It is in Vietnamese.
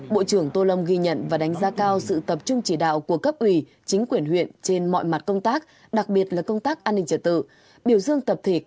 bộ trưởng tô lâm ghi nhận và đánh giá cao sự tập trung chỉ đạo của cấp ủy chính quyền huyện trên mọi mặt công tác đặc biệt là công tác an ninh trật tự